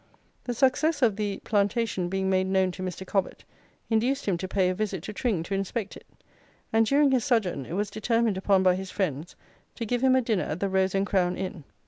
The success of the plantation being made known to Mr. Cobbett, induced him to pay a visit to Tring to inspect it, and during his sojourn it was determined upon by his friends to give him a dinner at the Rose and Crown Inn.